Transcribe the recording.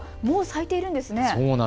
もう咲いているんですね。